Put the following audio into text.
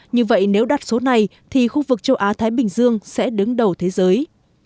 như vậy nếu đắt số này thì khu vực châu á thái bình dương sẽ đứng đầu thế giới